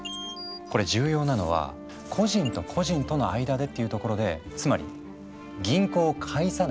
これ重要なのは「個人と個人との間で」っていうところでつまり「銀行を介さない」という意味。